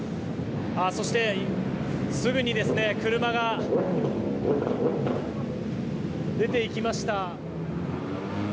そして、すぐに車が出ていきました。